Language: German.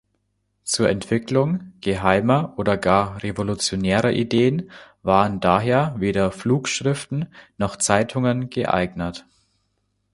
Zur Entwicklung geheimer oder gar revolutionärer Ideen waren daher weder Flugschriften noch Zeitungen geeignet.